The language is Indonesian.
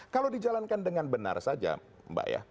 kalau dijalankan dengan benar saja mbak ya